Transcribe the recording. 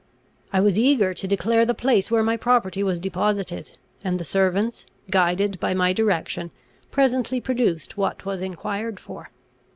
I was eager to declare the place where my property was deposited; and the servants, guided by my direction, presently produced what was enquired for.